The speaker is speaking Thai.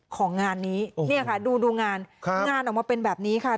ของงานนี้เนี่ยค่ะดูงานงานออกมาเป็นแบบนี้ค่ะ